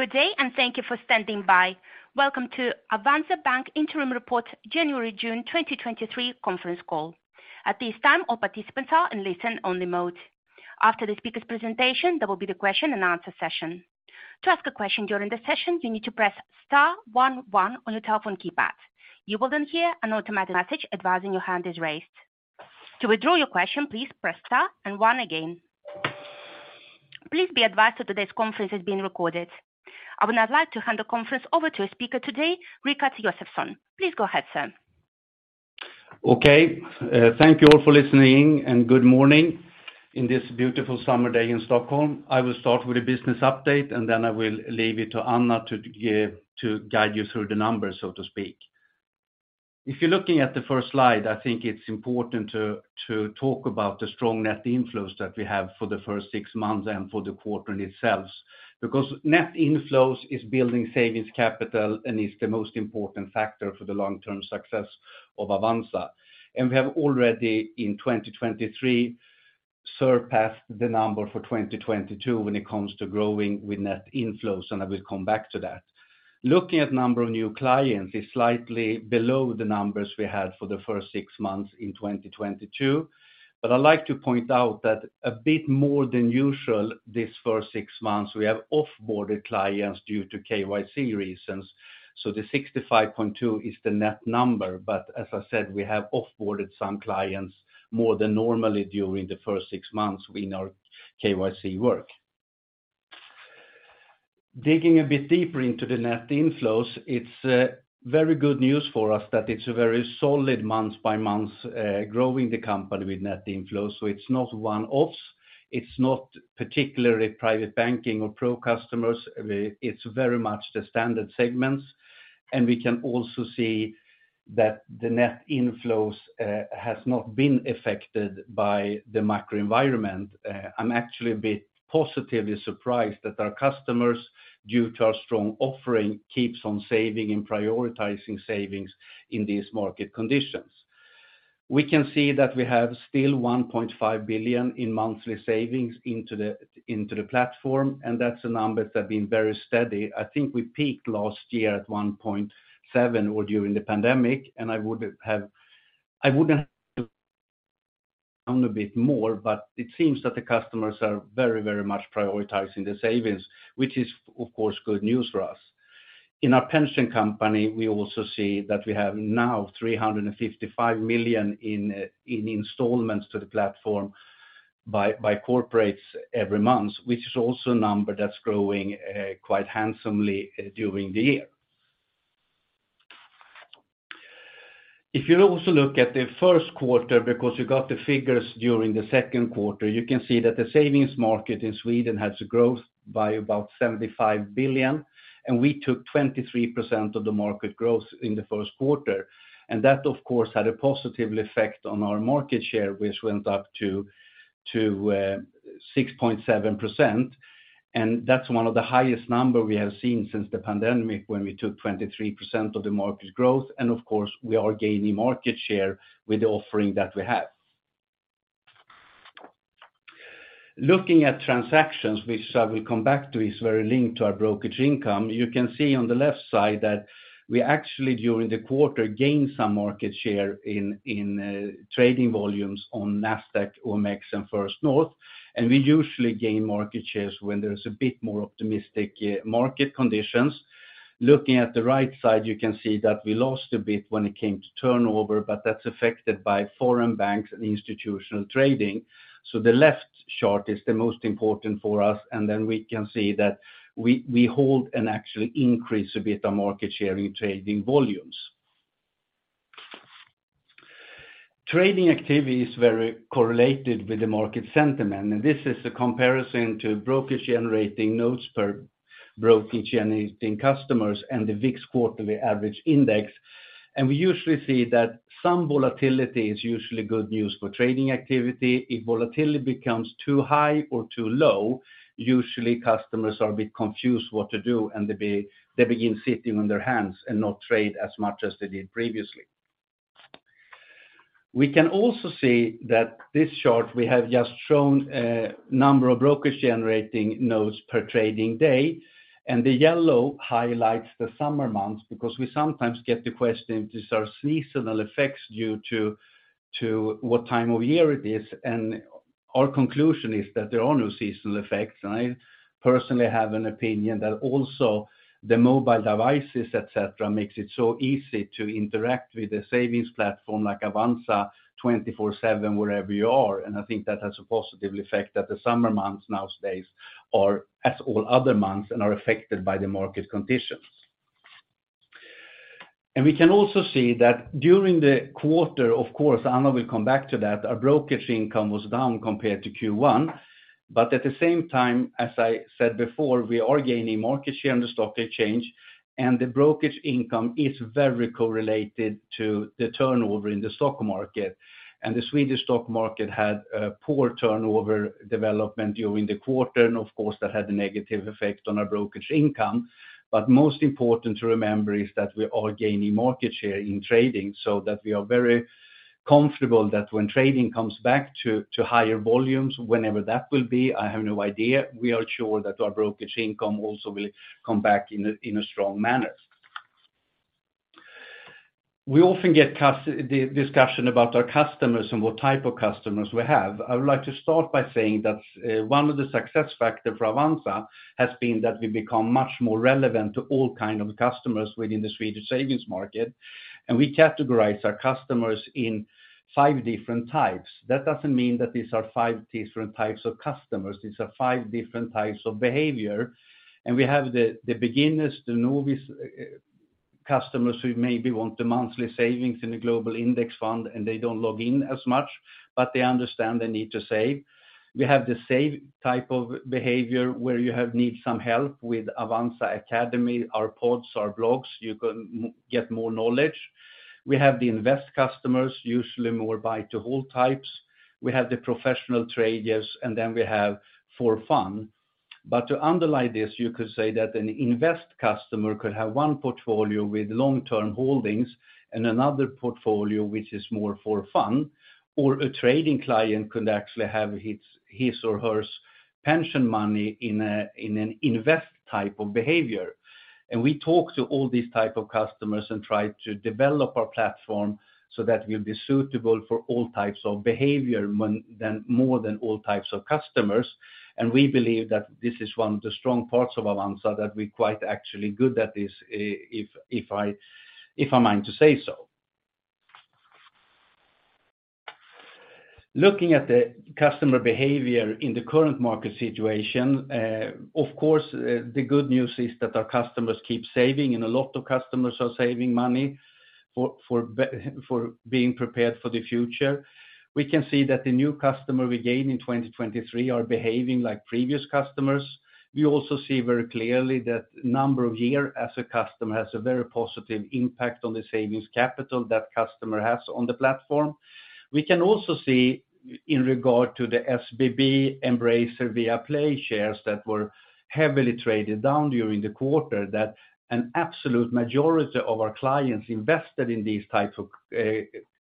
Good day, and thank you for standing by. Welcome to Avanza Bank Interim Report, January-June 2023 Conference Call. At this time, all participants are in listen only mode. After the speaker's presentation, there will be the question and answer session. To ask a question during the session, you need to press star 11 on your telephone keypad. You will then hear an automatic message advising your hand is raised. To withdraw your question, please press star and one again. Please be advised that today's conference is being recorded. I would now like to hand the conference over to a speaker today, Rikard Josefson. Please go ahead, sir. Thank you all for listening, and good morning, in this beautiful summer day in Stockholm. I will start with a business update. I will leave it to Anna to guide you through the numbers, so to speak. If you're looking at the first slide, I think it's important to talk about the strong net inflows that we have for the first six months and for the quarter in itself. Net inflows is building savings capital and is the most important factor for the long-term success of Avanza. We have already, in 2023, surpassed the number for 2022 when it comes to growing with net inflows. I will come back to that. Looking at number of new clients is slightly below the numbers we had for the first six months in 2022. I'd like to point out that a bit more than usual, this first six months, we have off-boarded clients due to KYC reasons, so the 65.2 is the net number. As I said, we have off-boarded some clients more than normally during the first six months in our KYC work. Digging a bit deeper into the net inflows, it's very good news for us that it's a very solid month-by-month growing the company with net inflows. It's not one-offs, it's not particularly private banking or pro customers. It's very much the standard segments, and we can also see that the net inflows has not been affected by the macro environment. I'm actually a bit positively surprised that our customers, due to our strong offering, keeps on saving and prioritizing savings in these market conditions. We can see that we have still 1.5 billion in monthly savings into the platform. That's the numbers have been very steady. I think we peaked last year at 1.7 billion or during the pandemic, I wouldn't have a bit more, it seems that the customers are very, very much prioritizing the savings, which is, of course, good news for us. In our pension company, we also see that we have now 355 million in installments to the platform by corporates every month, which is also a number that's growing quite handsomely during the year. If you also look at the first quarter, because you got the figures during the second quarter, you can see that the savings market in Sweden has a growth by about 75 billion, we took 23% of the market growth in the first quarter. That, of course, had a positive effect on our market share, which went up to 6.7%, and that's one of the highest number we have seen since the pandemic, when we took 23% of the market growth. Of course, we are gaining market share with the offering that we have. Looking at transactions, which I will come back to, is very linked to our brokerage income. You can see on the left side that we actually, during the quarter, gained some market share in trading volumes on Nasdaq, OMX, and First North. We usually gain market shares when there's a bit more optimistic market conditions. Looking at the right side, you can see that we lost a bit when it came to turnover. That's affected by foreign banks and institutional trading. The left chart is the most important for us. We can see that we hold and actually increase a bit on market share in trading volumes. Trading activity is very correlated with the market sentiment. This is a comparison to brokerage generating notes per brokerage generating customers and the VIX quarterly average index. We usually see that some volatility is usually good news for trading activity. If volatility becomes too high or too low, usually customers are a bit confused what to do, and they begin sitting on their hands and not trade as much as they did previously. We can also see that this chart, we have just shown, number of brokerage generating notes per trading day, and the yellow highlights the summer months, because we sometimes get the question, is there seasonal effects due to what time of year it is? Our conclusion is that there are no seasonal effects. I personally have an opinion that also the mobile devices, et cetera, makes it so easy to interact with the savings platform like Avanza 24/7, wherever you are. I think that has a positive effect, that the summer months nowadays are as all other months and are affected by the market conditions. We can also see that during the quarter, of course, Anna will come back to that, our brokerage income was down compared to Q1. At the same time, as I said before, we are gaining market share on the stock exchange, and the brokerage income is very correlated to the turnover in the stock market. The Swedish stock market had a poor turnover development during the quarter, and of course, that had a negative effect on our brokerage income. Most important to remember is that we are gaining market share in trading so that we are comfortable that when trading comes back to higher volumes, whenever that will be, I have no idea, we are sure that our brokerage income also will come back in a strong manner. We often get the discussion about our customers and what type of customers we have. I would like to start by saying that one of the success factor for Avanza has been that we become much more relevant to all kind of customers within the Swedish savings market. We categorize our customers in five different types. That doesn't mean that these are 5 different types of customers, these are 5 different types of behavior[s]. We have the beginners, the novice customers who maybe want the monthly savings in a global index fund, and they don't log in as much, but they understand the need to save. We have the save type of behavior, where you have need some help with Avanza Academy, our pods, our blogs, you can get more knowledge. We have the invest customers, usually more buy-to-hold types. We have the professional traders, and then we have for fun. To underlie this, you could say that an invest customer could have one portfolio with long-term holdings and another portfolio which is more for fun, or a trading client could actually have his or hers pension money in a, in an invest type of behavior. We talk to all these type of customers and try to develop our platform so that we'll be suitable for all types of behavior than more than all types of customers. We believe that this is one of the strong parts of Avanza, that we're quite actually good at this, if I mind to say so. Looking at the customer behavior in the current market situation, of course, the good news is that our customers keep saving, and a lot of customers are saving money for being prepared for the future. We can see that the new customer we gained in 2023 are behaving like previous customers. We also see very clearly that number of year as a customer has a very positive impact on the savings capital that customer has on the platform. We can also see, in regard to the SBB, Embracer, Viaplay shares that were heavily traded down during the quarter, that an absolute majority of our clients invested in these type of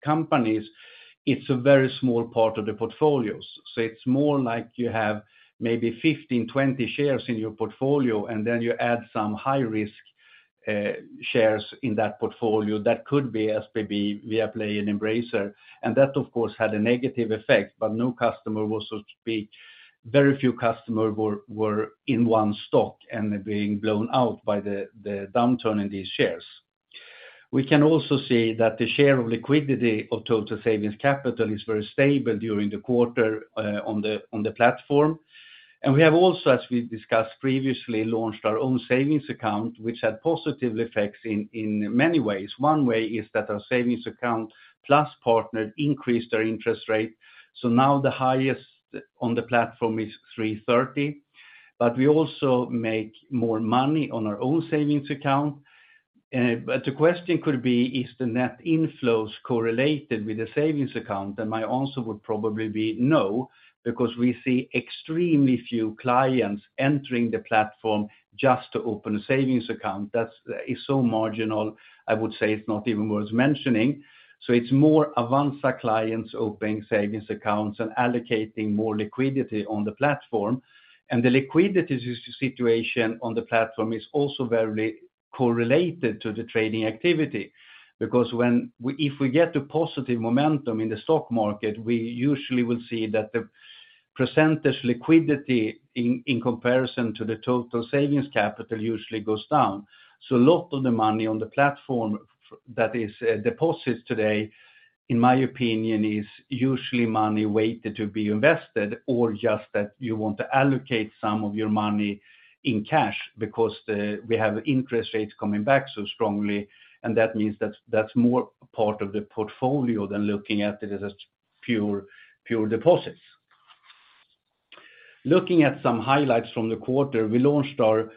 companies, it's a very small part of the portfolios. It's more like you have maybe 15, 20 shares in your portfolio, and then you add some high-risk shares in that portfolio. That could be SBB, Viaplay, and Embracer. That, of course, had a negative effect. No customer was, so to speak. Very few customers were in one stock and being blown out by the downturn in these shares. We can also see that the share of liquidity of total savings capital is very stable during the quarter on the platform. We have also, as we discussed previously, launched our own savings account, which had positive effects in many ways. One way is that our savings account plus partner increased our interest rate, so now the highest on the platform is 330. We also make more money on our own savings account. The question could be: Is the net inflows correlated with the savings account? My answer would probably be no, because we see extremely few clients entering the platform just to open a savings account. That's, it's so marginal, I would say it's not even worth mentioning. It's more Avanza clients opening savings accounts and allocating more liquidity on the platform. The liquidity situation on the platform is also very correlated to the trading activity, because when if we get a positive momentum in the stock market, we usually will see that the percentage liquidity in comparison to the total savings capital usually goes down. A lot of the money on the platform that is deposited today, in my opinion, is usually money waited to be invested or just that you want to allocate some of your money in cash because we have interest rates coming back so strongly, and that means that that's more a part of the portfolio than looking at it as a pure deposits. Looking at some highlights from the quarter, we launched our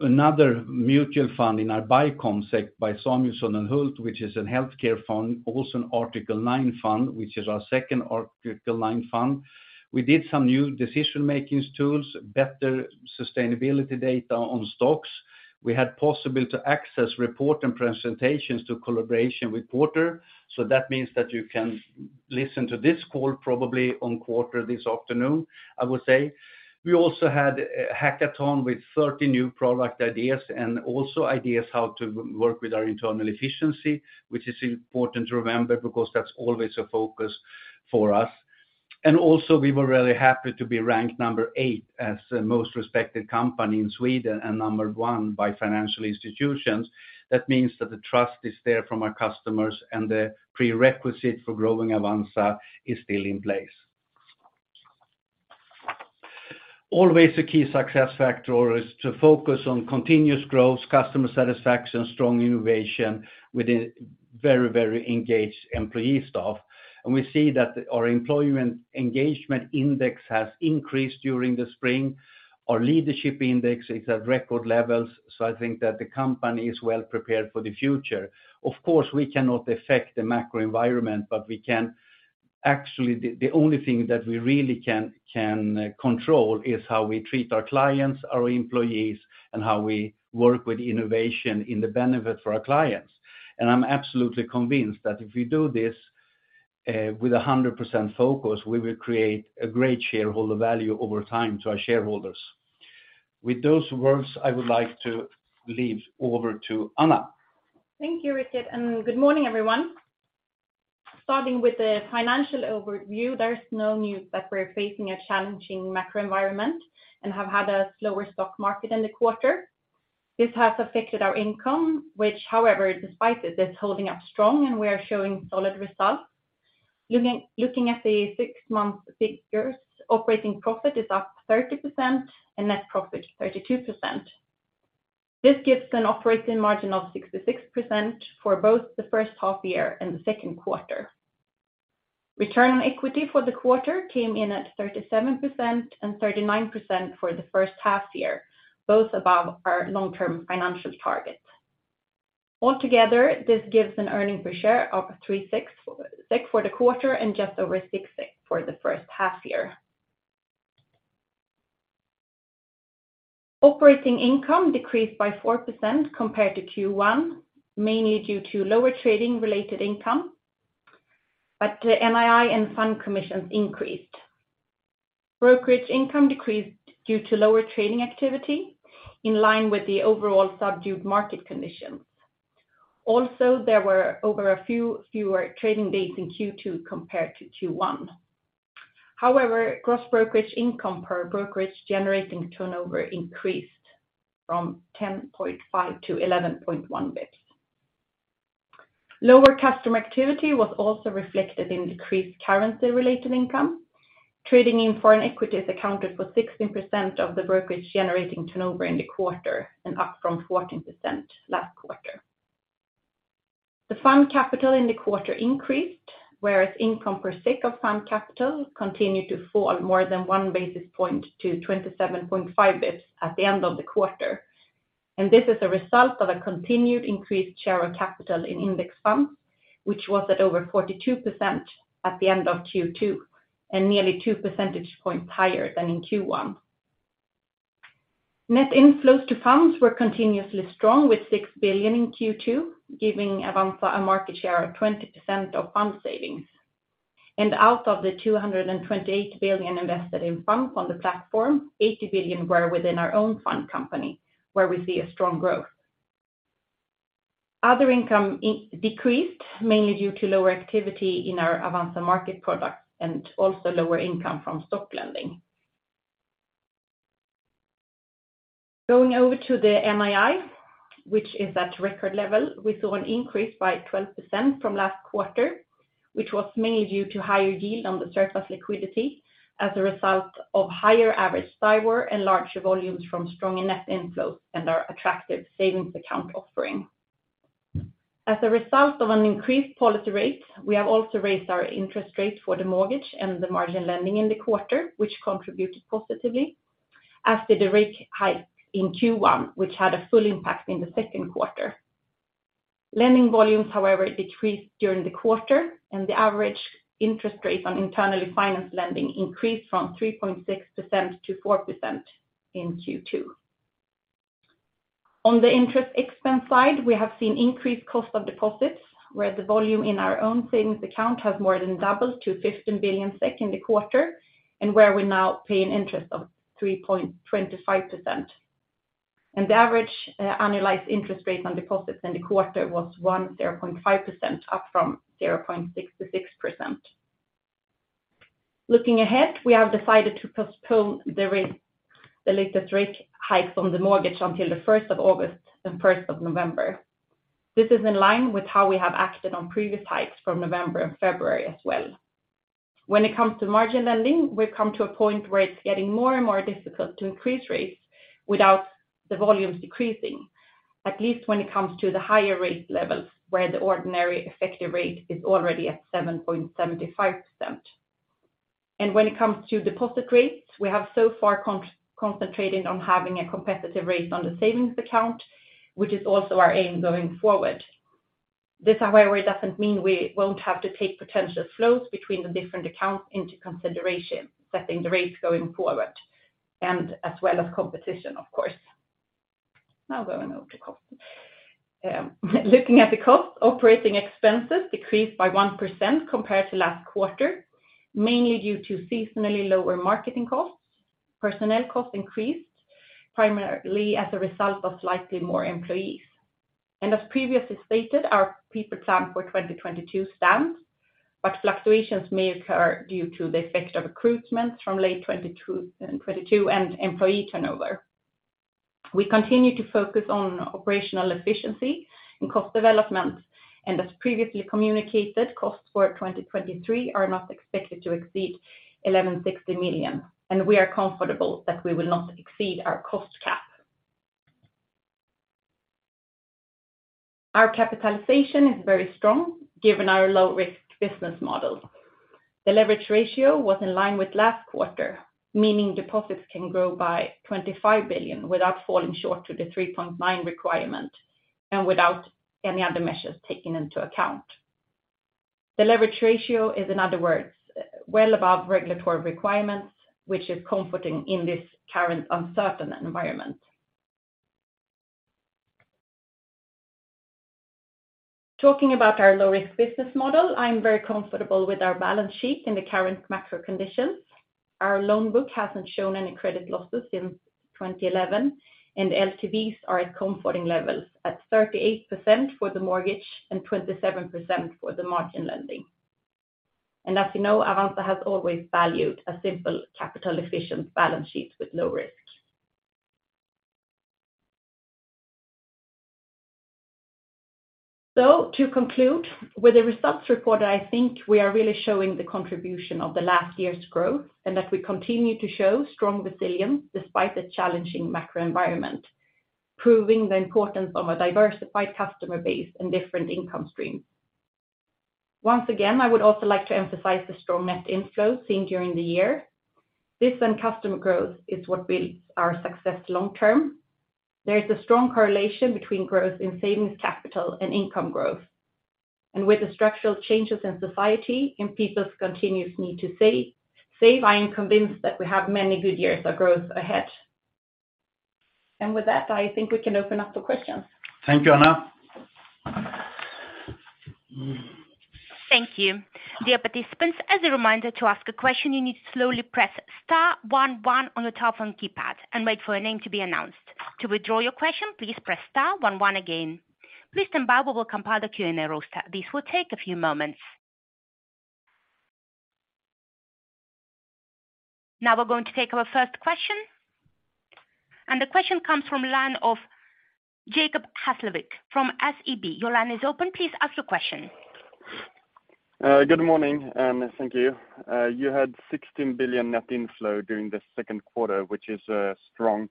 another mutual fund in our Buy Concept by Samuelsson & Hult, which is a healthcare fund, also an Article nine fund, which is our second Article 9 fund. We did some new decision-makings tools, better sustainability data on stocks. We had possible to access report and presentations to collaboration with Quartr. That means that you can listen to this call probably on Quartr this afternoon, I would say. We also had a hackathon with 30 new product ideas and also ideas how to work with our internal efficiency, which is important to remember, because that's always a focus for us. Also, we were really happy to be ranked number eight as the most respected company in Sweden and number one by financial institutions. That means that the trust is there from our customers, and the prerequisite for growing Avanza is still in place. Always, the key success factor is to focus on continuous growth, customer satisfaction, strong innovation, with a very, very engaged employee staff. We see that our employment engagement index has increased during the spring. Our leadership index is at record levels. I think that the company is well prepared for the future. Of course, we cannot affect the macro environment. Actually, the only thing that we really can control is how we treat our clients, our employees, and how we work with innovation in the benefit for our clients. I'm absolutely convinced that if we do this, with a 100% focus, we will create a great shareholder value over time to our shareholders. With those words, I would like to leave over to Anna. Thank you, Rikard. Good morning, everyone. Starting with the financial overview, there's no news that we're facing a challenging macro environment and have had a slower stock market in the quarter. This has affected our income, which however, despite it, is holding up strong, and we are showing solid results. Looking at the six-month figures, operating profit is up 30% and net profit 32%. This gives an operating margin of 66% for both the first half year and the second quarter. Return on equity for the quarter came in at 37% and 39% for the first half year, both above our long-term financial target. Altogether, this gives an earning per share of 3.66 for the quarter and just over 6.6 for the first half-year. Operating income decreased by 4% compared to Q1, mainly due to lower trading related income, but NII and fund commissions increased. Brokerage income decreased due to lower trading activity in line with the overall subdued market conditions. Also, there were fewer trading days in Q2 compared to Q1. However, gross brokerage income per brokerage generating turnover increased from 10.5 to 11.1 bps. Lower customer activity was also reflected in decreased currency-related income. Trading in foreign equities accounted for 16% of the brokerage generating turnover in the quarter and up from 14% last quarter. The fund capital in the quarter increased, whereas income per SEK of fund capital continued to fall more than 1 basis point to 27.5 bps at the end of the quarter. This is a result of a continued increased share of capital in index funds, which was at over 42% at the end of Q2, and nearly two percentage points higher than in Q1. Net inflows to funds were continuously strong, with 6 billion in Q2, giving Avanza a market share of 20% of fund savings. Out of the 228 billion invested in funds on the platform, 80 billion were within our own fund company, where we see a strong growth. Other income decreased, mainly due to lower activity in our Avanza Markets products and also lower income from stock lending. Going over to the NII, which is at record level, we saw an increase by 12% from last quarter, which was mainly due to higher yield on the surplus liquidity as a result of higher average STIBOR and larger volumes from strong and net inflows and our attractive savings account offering. As a result of an increased policy rate, we have also raised our interest rate for the mortgage and the margin lending in the quarter, which contributed positively as did the rate hike in Q1, which had a full impact in the second quarter. Lending volumes, however, decreased during the quarter, and the average interest rate on internally financed lending increased from 3.6% to 4% in Q2. On the interest expense side, we have seen increased cost of deposits, where the volume in our own savings account has more than doubled to 15 billion SEK in the quarter, and where we now pay an interest of 3.25%. The average annualized interest rate on deposits in the quarter was 10.5%, up from 0.66%. Looking ahead, we have decided to postpone the latest rate hikes on the mortgage until the 1st of August and 1st of November. This is in line with how we have acted on previous hikes from November and February as well. When it comes to margin lending, we've come to a point where it's getting more and more difficult to increase rates without the volumes decreasing, at least when it comes to the higher rate levels, where the ordinary effective rate is already at 7.75%. When it comes to deposit rates, we have so far concentrated on having a competitive rate on the savings account, which is also our aim going forward. This, however, doesn't mean we won't have to take potential flows between the different accounts into consideration, setting the rates going forward, and as well as competition, of course. Now going over to cost. Looking at the cost, operating expenses decreased by 1% compared to last quarter, mainly due to seasonally lower marketing costs. Personnel costs increased, primarily as a result of slightly more employees. As previously stated, our people plan for 2022 stands, but fluctuations may occur due to the effect of recruitment from late 2022 and employee turnover. We continue to focus on operational efficiency and cost development, and as previously communicated, costs for 2023 are not expected to exceed 1,160 million, and we are comfortable that we will not exceed our cost cap. Our capitalization is very strong, given our low-risk business model. The leverage ratio was in line with last quarter, meaning deposits can grow by 25 billion without falling short to the 3.9 requirement. Without any other measures taken into account. The leverage ratio is, in other words, well above regulatory requirements, which is comforting in this current uncertain environment. Talking about our low-risk business model, I'm very comfortable with our balance sheet in the current macro conditions. Our loan book hasn't shown any credit losses since 2011. LTVs are at comforting levels, at 38% for the mortgage and 27% for the margin lending. As you know, Avanza has always valued a simple capital efficient balance sheet with low risk. To conclude, with the results reported, I think we are really showing the contribution of the last year's growth, and that we continue to show strong resilience despite the challenging macro environment, proving the importance of a diversified customer base and different income streams. Once again, I would also like to emphasize the strong net inflows seen during the year. This and customer growth is what builds our success long term. There is a strong correlation between growth in savings, capital, and income growth, and with the structural changes in society and people's continuous need to save, I am convinced that we have many good years of growth ahead. With that, I think we can open up for questions. Thank you, Anna. Thank you. Dear participants, as a reminder, to ask a question, you need to slowly press star one one on your telephone keypad and wait for your name to be announced. To withdraw your question, please press star one one again. Please stand by, we will compile the Q&A roster. This will take a few moments. Now we're going to take our first question, and the question comes from line of Jacob Hesslevik from SEB. Your line is open. Please ask your question. Good morning, and thank you. You had 16 billion net inflow during the second quarter, which is strong.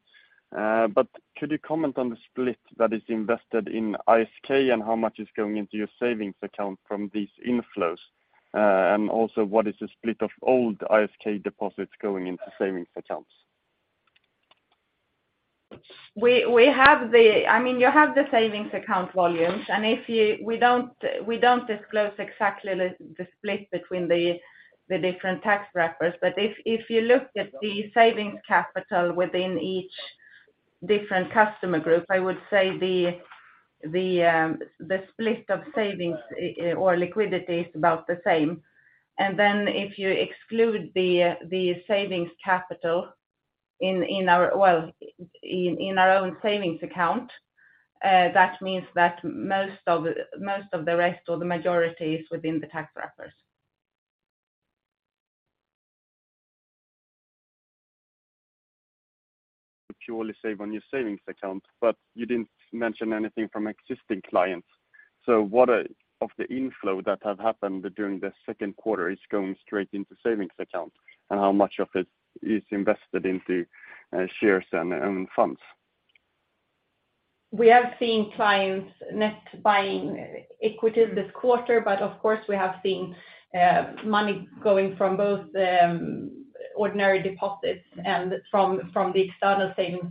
Could you comment on the split that is invested in ISK and how much is going into your savings account from these inflows? Also, what is the split of old ISK deposits going into savings accounts? I mean, you have the savings account volumes. We don't disclose exactly the split between the different tax wrappers. If you looked at the savings capital within each different customer group, I would say the split of savings or liquidity is about the same. If you exclude the savings capital in our own savings account, that means that most of the rest or the majority is within the tax wrappers. Purely save on your savings account. You didn't mention anything from existing clients. What of the inflow that have happened during the second quarter is going straight into savings account, and how much of it is invested into shares and funds? We have seen clients net buying equities this quarter, of course, we have seen money going from both ordinary deposits and from the external savings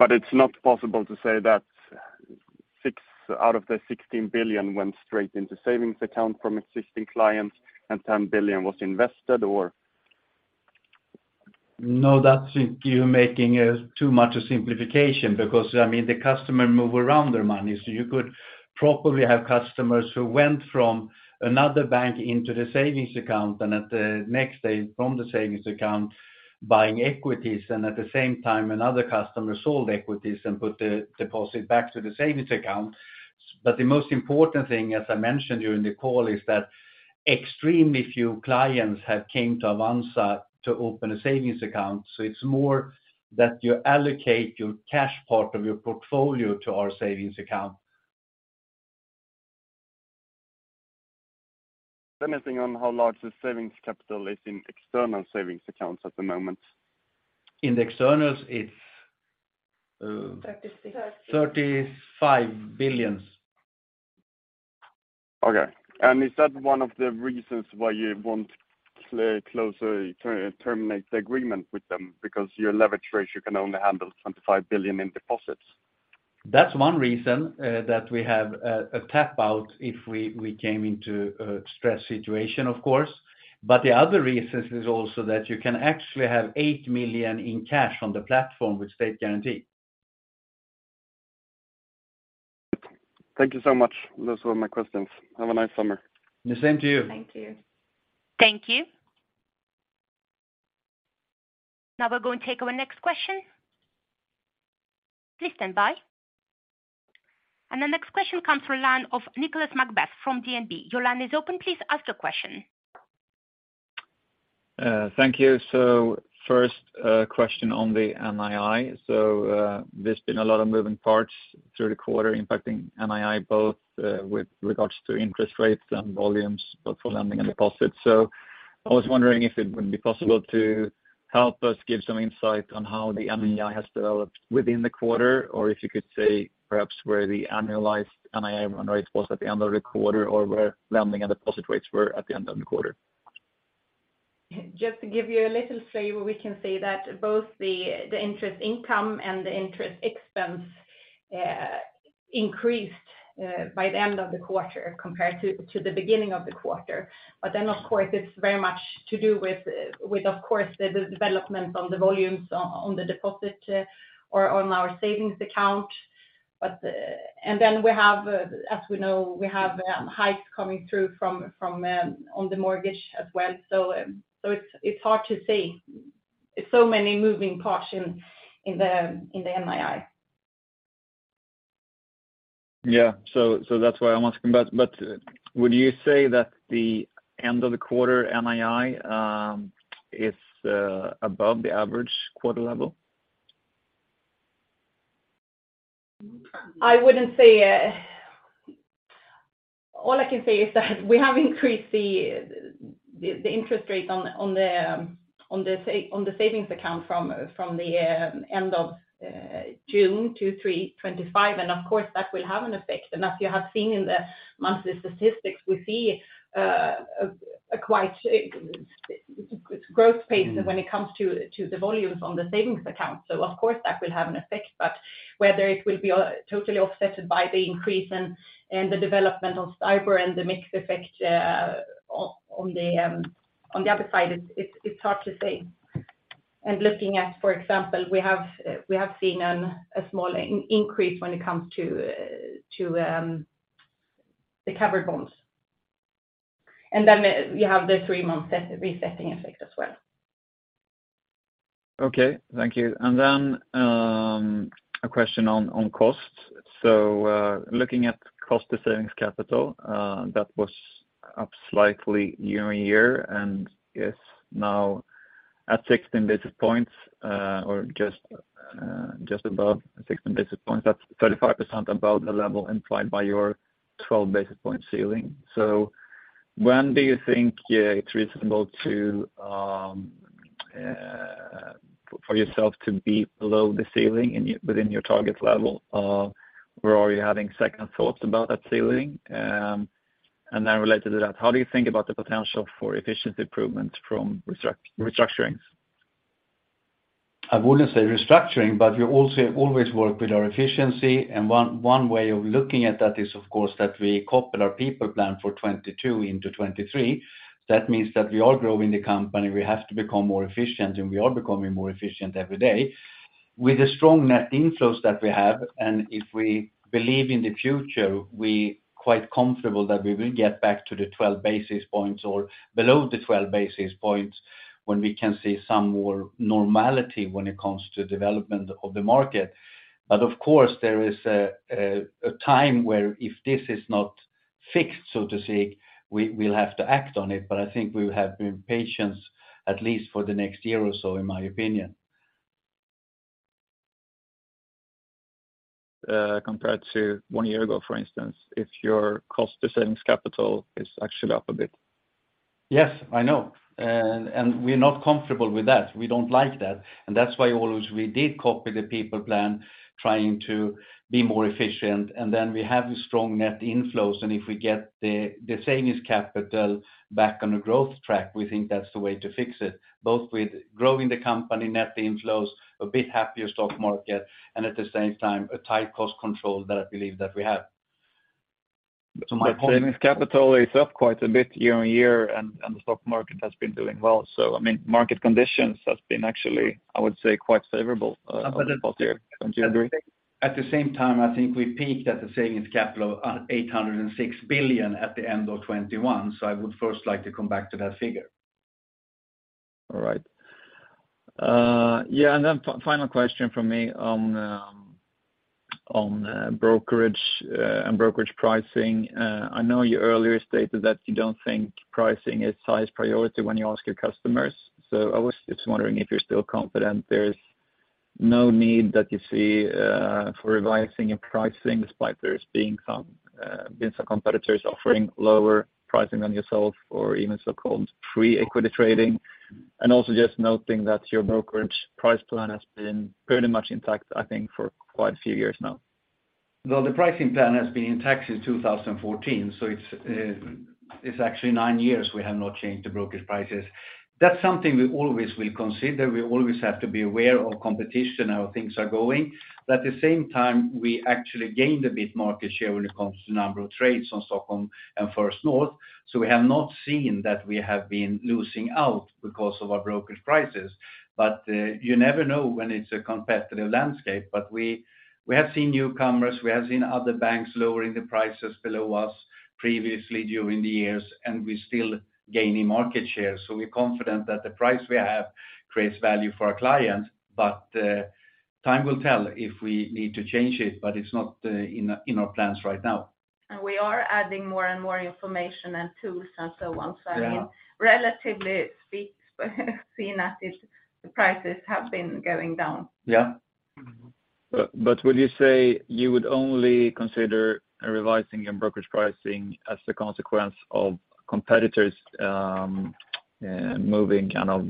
accounts and also from outside our platform. It's not possible to say that 6 billion out of the 16 billion went straight into savings account from existing clients and 10 billion was invested, or? No, that's you're making, too much a simplification, because, I mean, the customer move around their money, so you could probably have customers who went from another bank into the savings account and at the next day, from the savings account, buying equities, and at the same time, another customer sold equities and put the deposit back to the savings account. The most important thing, as I mentioned during the call, is that extremely few clients have came to Avanza to open a savings account. It's more that you allocate your cash part of your portfolio to our savings account. Anything on how large the savings capital is in external savings accounts at the moment? In the externals, it's. 36. SEK 35 billions. Okay. Is that one of the reasons why you want to close or terminate the agreement with them? Because your leverage ratio can only handle 25 billion in deposits. That's one reason, that we have a tap out if we came into a stress situation, of course. The other reason is also that you can actually have 8 million in cash on the platform, which they guarantee. Thank you so much. Those were my questions. Have a nice summer. The same to you. Thank you. Thank you. Now we're going to take our next question. Please stand by. The next question comes from line of Nicolas McBeath from DNB. Your line is open. Please ask your question. Thank you. First, question on the NII. There's been a lot of moving parts through the quarter impacting NII, both, with regards to interest rates and volumes, both for lending and deposits. I was wondering if it would be possible to help us give some insight on how the NII has developed within the quarter, or if you could say perhaps where the annualized NII run rate was at the end of the quarter, or where lending and deposit rates were at the end of the quarter? Just to give you a little flavor, we can say that both the interest income and the interest expense increased by the end of the quarter compared to the beginning of the quarter. Then, of course, it's very much to do with, of course, the development on the volumes on the deposit or on our savings account. Then we have, as we know, we have hikes coming through from on the mortgage as well. It's hard to say. It's so many moving parts in the NII. Yeah. That's why I'm asking. Would you say that the end of the quarter NII is above the average quarter level? I wouldn't say. All I can say is that we have increased the interest rate on the savings account from the end of June to 3.25%. Of course, that will have an effect. As you have seen in the monthly statistics, we see a quite growth pace when it comes to the volumes on the savings account. Of course, that will have an effect. Whether it will be totally off-setted by the increase in the development on cyber and the mixed effect on the other side, it's hard to say. Looking at, for example, we have seen a small increase when it comes to the covered bonds. You have the three-month set resetting effect as well. Okay, thank you. A question on costs. Looking at cost to savings capital, that was up slightly year-on-year, and is now at 16 basis points, or just above 16 basis points. That's 35% above the level implied by your 12 basis point ceiling. When do you think it's reasonable to for yourself to be below the ceiling and within your target level? Or are you having second thoughts about that ceiling? Related to that, how do you think about the potential for efficiency improvement from restructurings? I wouldn't say restructuring, but we also always work with our efficiency, and one way of looking at that is, of course, that we couple our people plan for 2022 into 2023. That means that we are growing the company. We have to become more efficient, and we are becoming more efficient every day. With the strong net inflows that we have, and if we believe in the future, we quite comfortable that we will get back to the 12 basis points or below the 12 basis points when we can see some more normality when it comes to development of the market. Of course, there is a time where if this is not fixed, so to say, we'll have to act on it. I think we will have been patient, at least for the next year or so, in my opinion. Compared to one year ago, for instance, if your cost to savings capital is actually up a bit. Yes, I know. We're not comfortable with that. We don't like that, and that's why always we did copy the people plan, trying to be more efficient. We have the strong net inflows, and if we get the savings capital back on a growth track, we think that's the way to fix it, both with growing the company net inflows, a bit happier stock market, and at the same time, a tight cost control that I believe that we have. Savings capital is up quite a bit year on year, and the stock market has been doing well. I mean, market conditions has been actually, I would say, quite favorable here. Don't you agree? At the same time, I think we peaked at the savings capital of 806 billion at the end of 2021, so I would first like to come back to that figure. All right. Yeah, then final question from me on brokerage and brokerage pricing. I know you earlier stated that you don't think pricing is highest priority when you ask your customers. I was just wondering if you're still confident there's no need that you see for revising your pricing, despite there's being some competitors offering lower pricing on yourself or even so-called free equity trading. Also just noting that your brokerage price plan has been pretty much intact, I think, for quite a few years now. The pricing plan has been intact since 2014, so it's actually nine years we have not changed the brokerage prices. That's something we always will consider. We always have to be aware of competition, how things are going. At the same time, we actually gained a bit market share when it comes to number of trades on Stockholm and First North. We have not seen that we have been losing out because of our brokerage prices. You never know when it's a competitive landscape. We have seen newcomers, we have seen other banks lowering the prices below us previously during the years, and we're still gaining market share. We're confident that the price we have creates value for our clients, but time will tell if we need to change it, but it's not in our plans right now. We are adding more and more information and tools and so on. Yeah. I mean, relatively speak, seen as if the prices have been going down. Yeah. Would you say you would only consider revising your brokerage pricing as a consequence of competitors, moving kind of,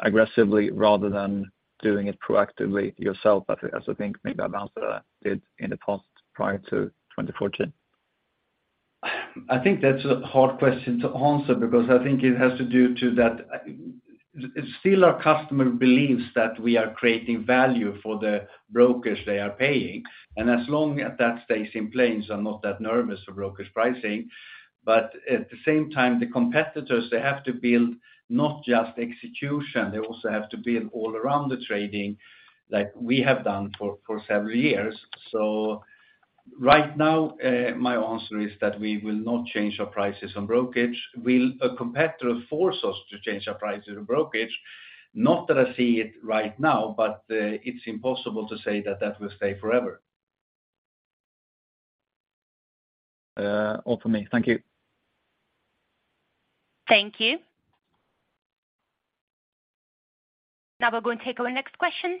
aggressively rather than doing it proactively yourself, as I think maybe Avanza did in the past, prior to 2014?... I think that's a hard question to answer because I think it has to do to that, still our customer believes that we are creating value for the brokers they are paying. As long as that stays in place, I'm not that nervous of brokers pricing. At the same time, the competitors, they have to build not just execution, they also have to build all around the trading like we have done for several years. Right now, my answer is that we will not change our prices on brokerage. Will a competitor force us to change our prices on brokerage? Not that I see it right now, but it's impossible to say that that will stay forever. All for me. Thank you. Thank you. Now we're going to take our next question.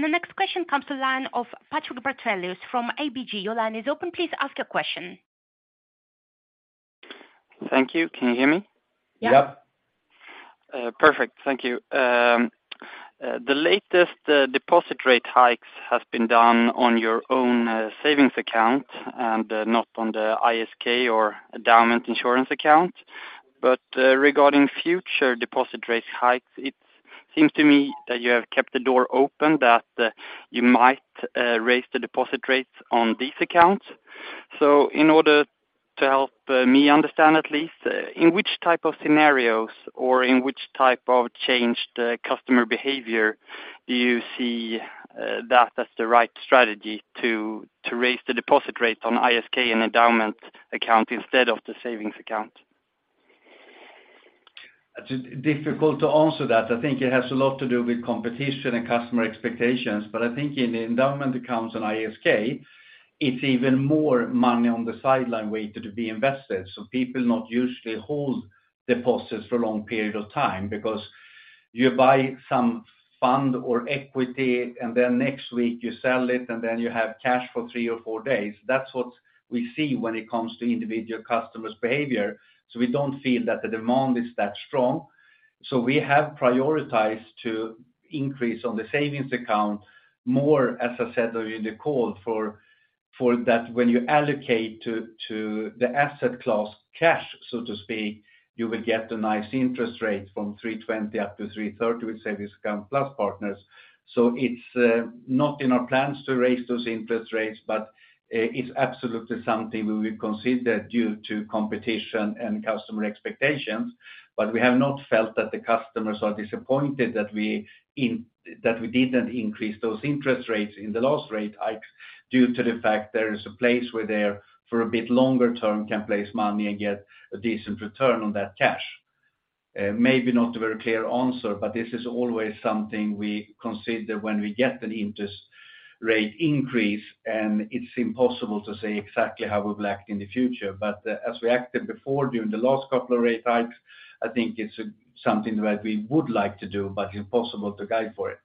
The next question comes to line of Patrik Brattelius from ABG. Your line is open. Please ask your question. Thank you. Can you hear me? Yep. Yep. Perfect. Thank you. The latest deposit rate hikes has been done on your own savings account and not on the ISK or endowment insurance account. Regarding future deposit rate hikes, it seems to me that you have kept the door open, that you might raise the deposit rates on these accounts. In order to help me understand, at least, in which type of scenarios or in which type of changed customer behavior do you see that as the right strategy to raise the deposit rate on ISK and endowment account instead of the savings account? It's difficult to answer that. I think it has a lot to do with competition and customer expectations, but I think in the endowment insurance on ISK, it's even more money on the sideline waiting to be invested. People not usually hold deposits for a long period of time because you buy some fund or equity, and then next week you sell it, and then you have cash for three or four days. That's what we see when it comes to individual customers' behavior. We don't feel that the demand is that strong. We have prioritized to increase on the savings account more, as I said during the call, for that when you allocate to the asset class cash, so to speak, you will get a nice interest rate from 3.20 up to 3.30 with Sparkonto+ partners. It's not in our plans to raise those interest rates, but it's absolutely something we will consider due to competition and customer expectations. We have not felt that the customers are disappointed that we didn't increase those interest rates in the last rate hikes due to the fact there is a place where they're, for a bit longer term, can place money and get a decent return on that cash. Maybe not a very clear answer, but this is always something we consider when we get an interest rate increase, and it's impossible to say exactly how we'll act in the future. As we acted before during the last couple of rate hikes, I think it's something that we would like to do, but impossible to guide for it.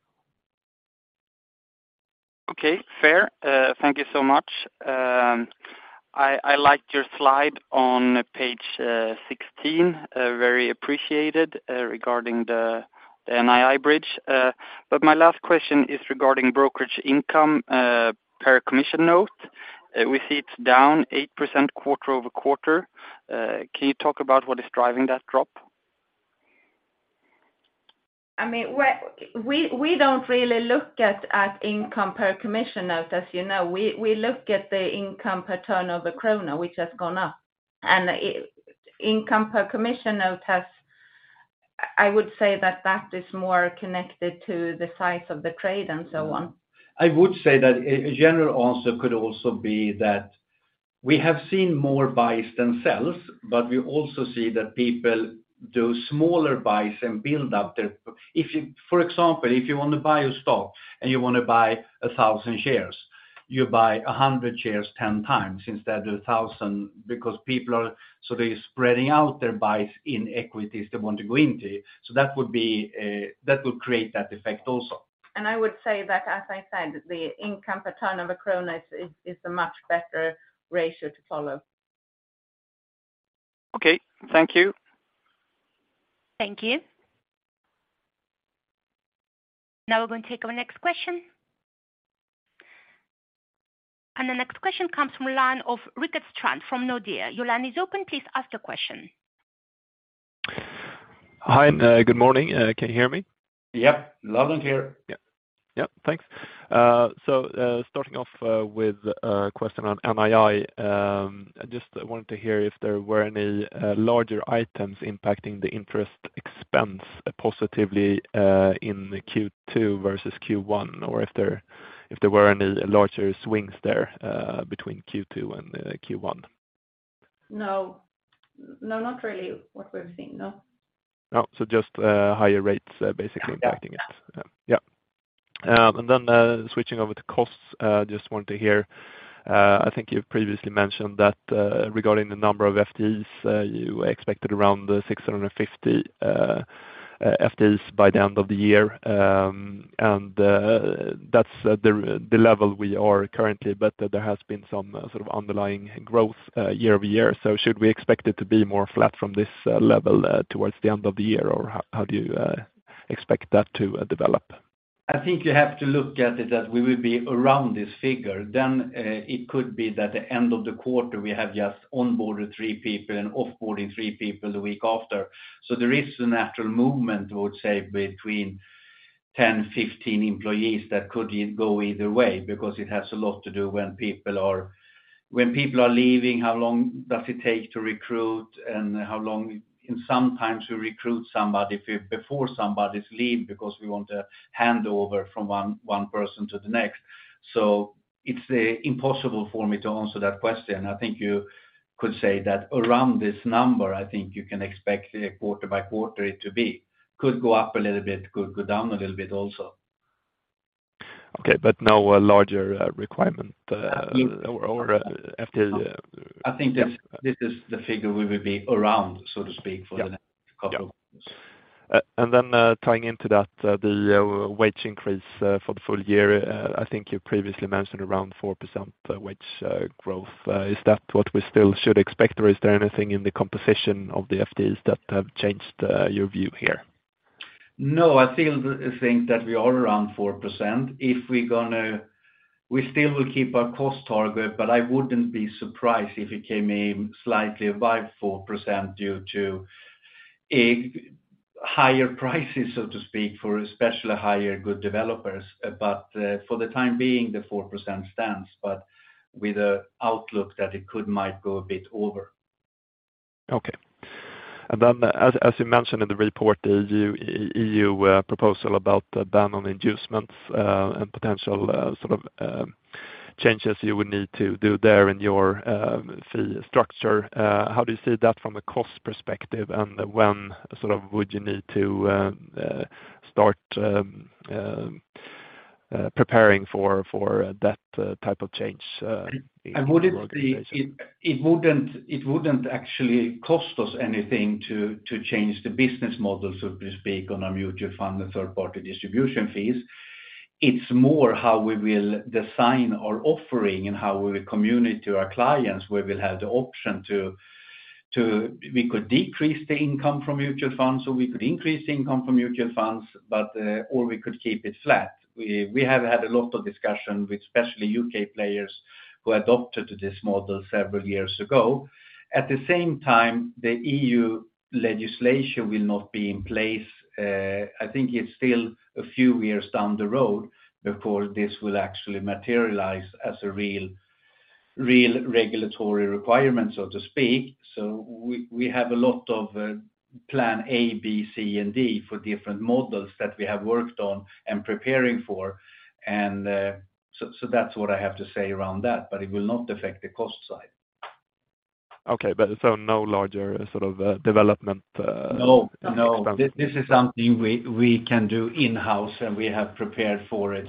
Okay, fair. Thank you so much. I liked your slide on page 16, very appreciated, regarding the NII bridge. My last question is regarding brokerage income, per commission note. We see it's down 8% quarter-over-quarter. Can you talk about what is driving that drop? I mean, we don't really look at income per commission note, as you know. We look at the income per turnover krona, which has gone up. Income per commission note has, I would say that is more connected to the size of the trade and so on. I would say that a general answer could also be that we have seen more buys than sells. We also see that people do smaller buys and build up their. If you, for example, if you want to buy a stock and you want to buy 1,000 shares, you buy 100 shares 10 times instead of 1,000, because people are sort of spreading out their buys in equities they want to go into. That would be, that would create that effect also. I would say that, as I said, the income per turnover krona is a much better ratio to follow. Okay. Thank you. Thank you. Now we're going to take our next question. The next question comes from line of Rickard Strand from Nordea. Your line is open. Please ask your question. Hi, good morning. Can you hear me? Yep. Loud and clear. Yep. Yep. Thanks. Starting off with a question on NII, I just wanted to hear if there were any larger items impacting the interest expense positively in Q2 versus Q1, or if there were any larger swings there between Q2 and Q1? No. No, not really what we've seen, no. Oh, just higher rates basically impacting it? Yeah. Switching over to costs, just wanted to hear, I think you've previously mentioned that, regarding the number of FTEs, you expected around 650 FTEs by the end of the year. That's the level we are currently, but there has been some sort of underlying growth, year-over-year. Should we expect it to be more flat from this level towards the end of the year, or how do you see it? Expect that to develop? I think you have to look at it as we will be around this figure. It could be that the end of the quarter, we have just onboarded three people and offboarding three people the week after. There is a natural movement, I would say, between 10-15 employees that could go either way, because it has a lot to do when people are leaving, how long does it take to recruit, and how long, and sometimes we recruit before somebody leaves, because we want a handover from one person to the next. It's impossible for me to answer that question. I think you could say that around this number, I think you can expect it quarter by quarter it to be. Could go up a little bit, could go down a little bit also. Okay. No larger requirement or. I think that this is the figure we will be around, so to speak, for the next couple of years. Yeah. Tying into that, the wage increase for the full year, I think you previously mentioned around 4% wage growth. Is that what we still should expect, or is there anything in the composition of the FTEs that have changed your view here? I still think that we are around 4%. If we still will keep our cost target, but I wouldn't be surprised if it came in slightly above 4% due to a higher prices, so to speak, for especially higher good developers. For the time being, the 4% stands, but with an outlook that it could, might go a bit over. Okay. As you mentioned in the report, the EU proposal about the ban on inducements, and potential, sort of, changes you would need to do there in your fee structure, how do you see that from a cost perspective, and when, sort of, would you need to start preparing for that type of change in your organization? It wouldn't actually cost us anything to change the business model, so to speak, on our mutual fund and third-party distribution fees. It's more how we will design our offering and how we will communicate to our clients. We will have the option to. We could decrease the income from mutual funds, or we could increase the income from mutual funds, or we could keep it flat. We have had a lot of discussion with especially U.K. players who adopted this model several years ago. At the same time, the EU legislation will not be in place. I think it's still a few years down the road before this will actually materialize as a real regulatory requirement, so to speak. We have a lot of plan A, B, C, and D for different models that we have worked on and preparing for. That's what I have to say around that, but it will not affect the cost side. Okay, but so no larger sort of, development. No, no. expense. This is something we can do in-house, and we have prepared for it.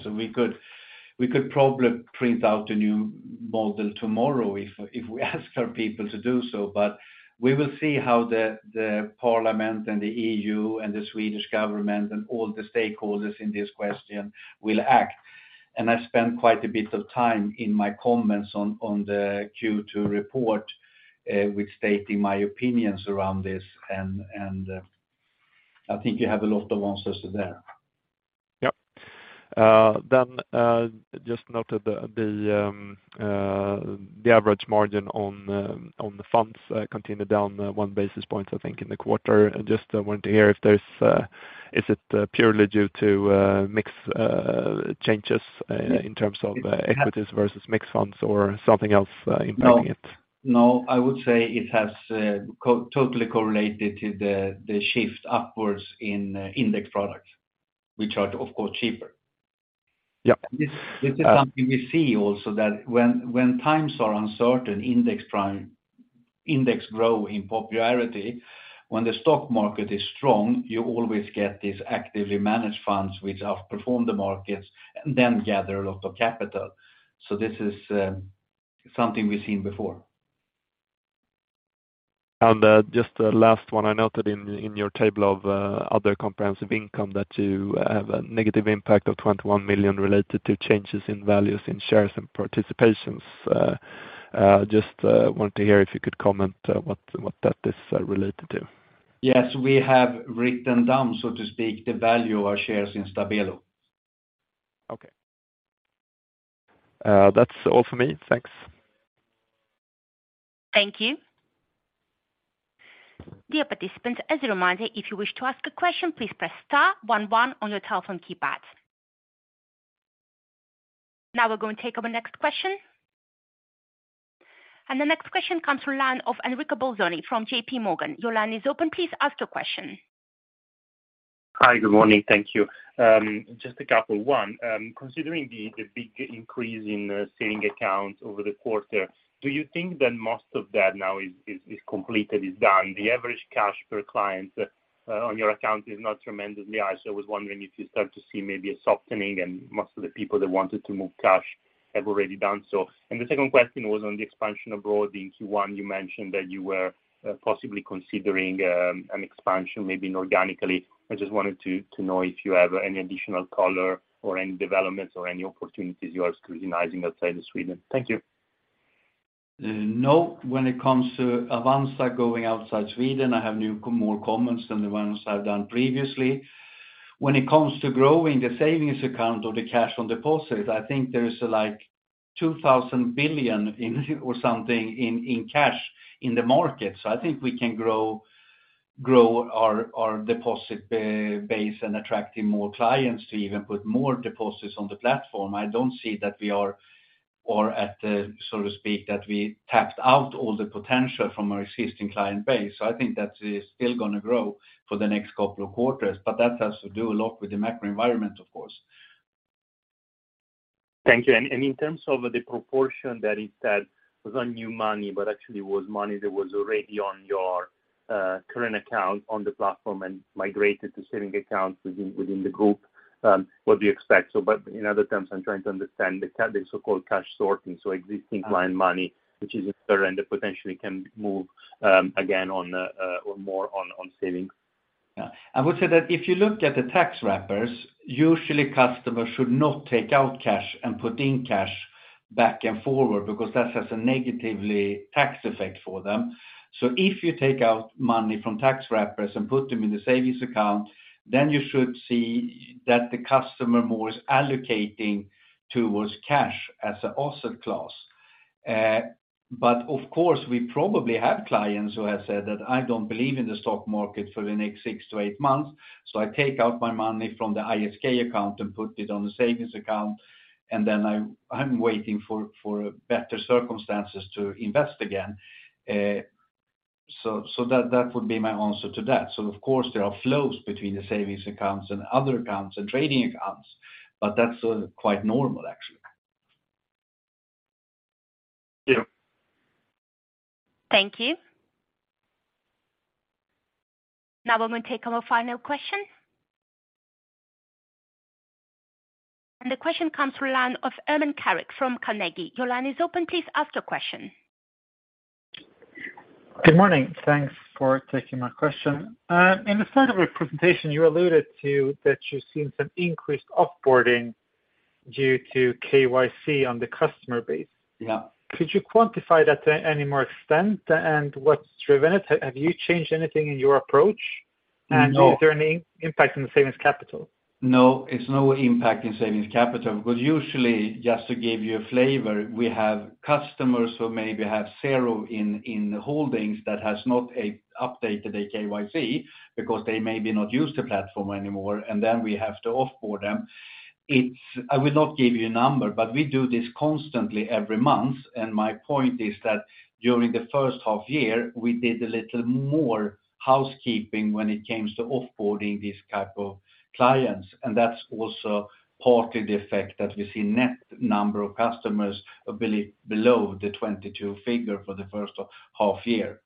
We could probably print out a new model tomorrow if we ask our people to do so. We will see how the parliament and the EU and the Swedish government and all the stakeholders in this question will act. I spent quite a bit of time in my comments on the Q2 report with stating my opinions around this, and I think you have a lot of answers there. Yep. Just noted the average margin on the funds, continued down, one basis point, I think, in the quarter. I just wanted to hear if there's, is it, purely due to mix changes in terms of. Yeah... equities versus mixed funds or something else, impacting it? No. No, I would say it has totally correlated to the shift upwards in index products, which are, of course, cheaper. Yeah. This is something we see also that when times are uncertain, index grow in popularity. When the stock market is strong, you always get these actively managed funds which have performed the markets and then gather a lot of capital. This is something we've seen before. Just a last one. I noted in your table of other comprehensive income, that you have a negative impact of 21 million related to changes in values in shares and participations. Just wanted to hear if you could comment what that is related to? Yes, we have written down, so to speak, the value of our shares in Stabelo. Okay. That's all for me. Thanks. Thank you. Dear participants, as a reminder, if you wish to ask a question, please press star one one on your telephone keypad. Now we're going to take our next question. The next question comes from line of Enrico Bolzoni from JPMorgan. Your line is open. Please ask your question. Hi, good morning. Thank you. Just a couple. One, considering the big increase in saving accounts over the quarter, do you think that most of that now is completed, is done? The average cash per client on your account is not tremendously high, so I was wondering if you start to see maybe a softening and most of the people that wanted to move cash have already done so. The second question was on the expansion abroad. In Q1, you mentioned that you were possibly considering an expansion, maybe inorganically. I just wanted to know if you have any additional color or any developments or any opportunities you are scrutinizing outside of Sweden. Thank you. No, when it comes to Avanza going outside Sweden, I have new, more comments than the ones I've done previously. When it comes to growing the savings account or the cash on deposit, I think there's like 2,000 billion in or something in cash in the market. I think we can grow our deposit base and attracting more clients to even put more deposits on the platform. I don't see that we are or at the, so to speak, that we tapped out all the potential from our existing client base. I think that is still gonna grow for the next couple of quarters, but that has to do a lot with the macro environment, of course. Thank you. In terms of the proportion that it said was on new money, but actually was money that was already on your current account on the platform and migrated to savings accounts within the group, what do you expect? In other terms, I'm trying to understand the so-called cash sorting, so existing client money, which is current, but potentially can move again, on the or more on savings. Yeah. I would say that if you look at the tax wrappers, usually customers should not take out cash and put in cash back and forward, because that has a negatively tax effect for them. If you take out money from tax wrappers and put them in the savings account, then you should see that the customer more is allocating towards cash as an asset class. Of course, we probably have clients who have said that I don't believe in the stock market for the next six to eight months, I take out my money from the ISK account and put it on the savings account, and then I'm waiting for better circumstances to invest again. That would be my answer to that. Of course, there are flows between the savings accounts and other accounts and trading accounts, but that's quite normal, actually. Yeah. Thank you. Now we will take our final question. The question comes from line of Ermin Keric from Carnegie. Your line is open, please ask your question. Good morning. Thanks for taking my question. In the start of your presentation, you alluded to that you've seen some increased off-boarding due to KYC on the customer base. Yeah. Could you quantify that to any more extent, and what's driven it? Have you changed anything in your approach? No. Is there any impact on the savings capital? It's no impact in savings capital, because usually, just to give you a flavor, we have customers who maybe have 0 in holdings that has not updated a KYC because they maybe not use the platform anymore, and then we have to off-board them. It's. I will not give you a number, we do this constantly every month, and my point is that during the first half year, we did a little more housekeeping when it came to off-boarding these type of clients, and that's also partly the effect that we see net number of customers below the 22 figure for the first half-year.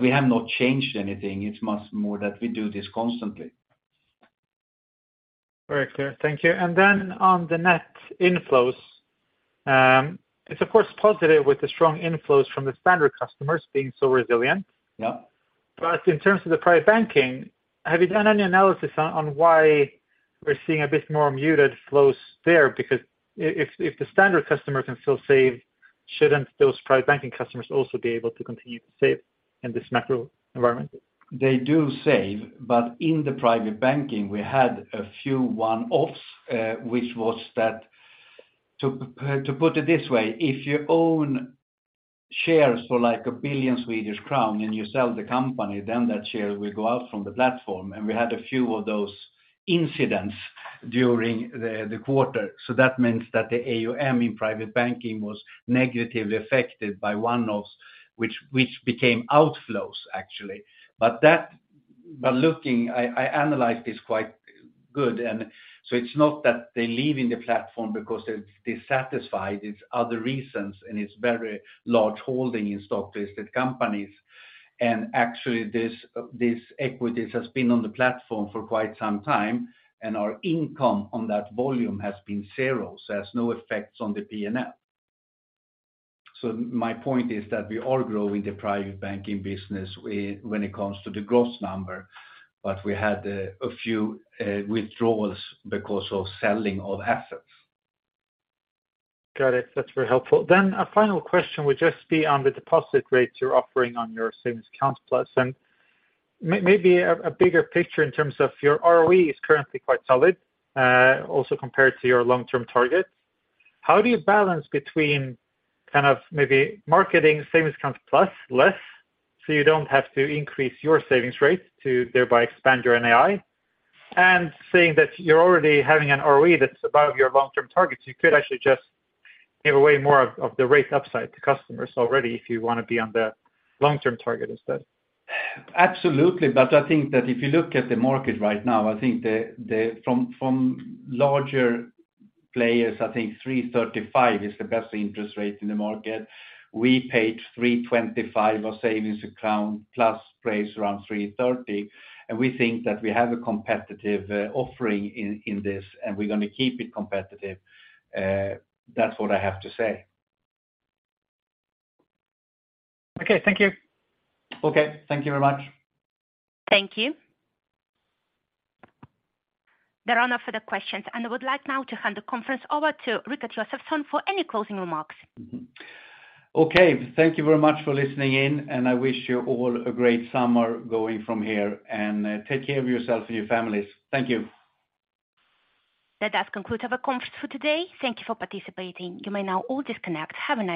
We have not changed anything. It's much more that we do this constantly. Very clear. Thank you. On the net inflows, it's of course, positive with the strong inflows from the standard customers being so resilient. Yeah. In terms of the private banking, have you done any analysis on why we're seeing a bit more muted flows there? If the standard customer can still save, shouldn't those private banking customers also be able to continue to save in this macro environment? They do save. In the private banking, we had a few one-offs, which was that. To put it this way, if you own shares for like 1 billion Swedish crown and you sell the company, that share will go out from the platform. We had a few of those incidents during the quarter. That means that the AUM in private banking was negatively affected by one-offs, which became outflows, actually. Looking, I analyzed this quite good. It's not that they're leaving the platform because they're dissatisfied. It's other reasons. It's very large holding in stock listed companies. Actually, this equities has been on the platform for quite some time. Our income on that volume has been zero. It has no effects on the P&L. My point is that we are growing the private banking business when it comes to the gross number, but we had a few withdrawals because of selling of assets. Got it. That's very helpful. A final question would just be on the deposit rates you're offering on your Savings Account Plus, and maybe a bigger picture in terms of your ROE is currently quite solid, also compared to your long-term target. How do you balance between kind of maybe marketing Savings Account Plus less, so you don't have to increase your savings rate to thereby expand your NAI? Seeing that you're already having an ROE that's above your long-term targets, you could actually just give away more of the rate upside to customers already if you wanna be on the long-term target instead. Absolutely, I think that if you look at the market right now, I think the from larger players, I think 3.35% is the best interest rate in the market. We paid 3.25%, our Sparkonto+ rates around 3.30%, and we think that we have a competitive offering in this, and we're gonna keep it competitive. That's what I have to say. Okay, thank you. Okay, thank you very much. Thank you. There are no further questions, and I would like now to hand the conference over to Rikard Josefson for any closing remarks. Okay, thank you very much for listening in, and I wish you all a great summer going from here, and take care of yourselves and your families. Thank you. That does conclude our conference for today. Thank you for participating. You may now all disconnect. Have a nice day.